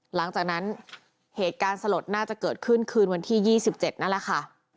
หลังจากนั้นเหตุการณ์สลดน่าจะเกิดขึ้นคืนวันที่๒๗นั่นแหละค่ะ